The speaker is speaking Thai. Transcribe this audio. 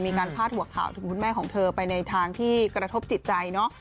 พาดหัวข่าวถึงคุณแม่ของเธอไปในทางที่กระทบจิตใจเนอะ